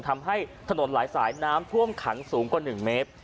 ทำให้ถนนหลายสายน้ำท่วมขังสูงกว่า๑เมตร